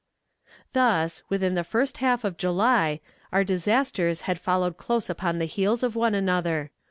Thus, within the first half of July, our disasters had followed close upon the heels of one another.